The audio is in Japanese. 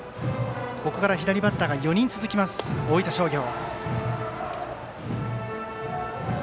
ここから左バッターが４人続く大分商業。